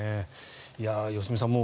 良純さん